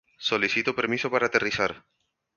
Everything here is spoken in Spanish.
Solicito permiso para aterrizar.